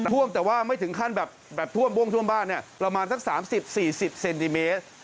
ท่วมแต่ว่าไม่ถึงขั้นแบบท่วมบ้วงท่วมบ้านเนี่ยประมาณสัก๓๐๔๐เซนติเมตร